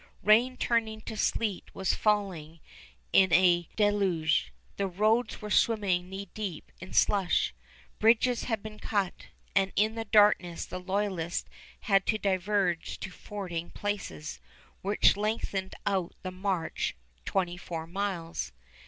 Rain turning to sleet was falling in a deluge. The roads were swimming knee deep in slush. Bridges had been cut, and in the darkness the loyalists had to diverge to fording places, which lengthened out the march twenty four miles.